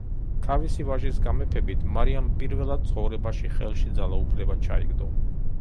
თავისი ვაჟის გამეფებით მარიამ პირველად ცხოვრებაში ხელში ძალაუფლება ჩაიგდო.